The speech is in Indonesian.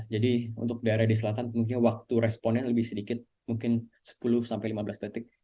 jadi untuk daerah di selatan mungkin waktu responnya lebih sedikit mungkin sepuluh sampai lima belas detik